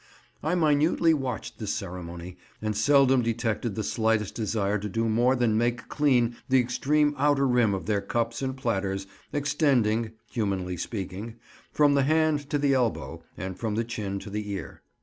I minutely watched this ceremony, and seldom detected the slightest desire to do more than make clean the extreme outer rim of their cups and platters, extending—humanly speaking—from the hand to the elbow, and from the chin to the ear.